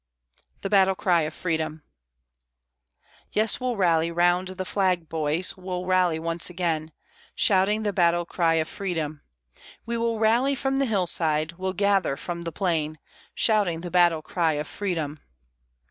THE BATTLE CRY OF FREEDOM Yes, we'll rally round the flag, boys, we'll rally once again, Shouting the battle cry of freedom, We will rally from the hill side, we'll gather from the plain, Shouting the battle cry of freedom.